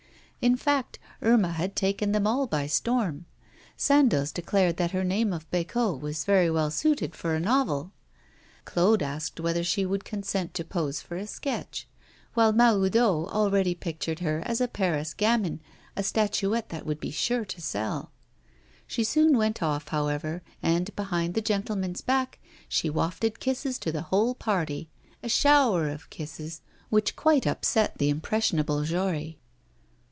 In fact, Irma had taken them all by storm. Sandoz declared that her name of Bécot was very well suited for a novel; Claude asked whether she would consent to pose for a sketch; while Mahoudeau already pictured her as a Paris gamin, a statuette that would be sure to sell. She soon went off, however, and behind the gentleman's back she wafted kisses to the whole party, a shower of kisses which quite upset the impressionable Jory.